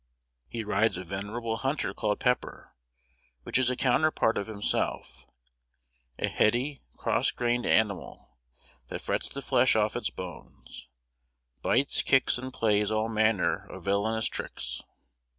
He rides a venerable hunter called Pepper, which is a counterpart of himself, a heady, cross grained animal, that frets the flesh off its bones; bites, kicks, and plays all manner of villanous tricks.